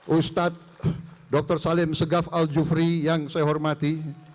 ustadz dr salim segaf al jufri yang saya hormati